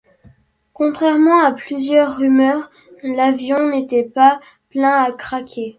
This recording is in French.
Contrairement à plusieurs rumeurs, l'avion n'était pas plein à craquer.